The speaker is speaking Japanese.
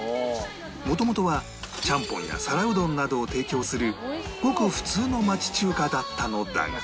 元々はちゃんぽんや皿うどんなどを提供するごく普通の町中華だったのだが